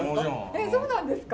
えそうなんですか？